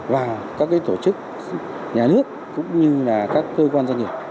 và các tổ chức nhà nước cũng như là các cơ quan doanh nghiệp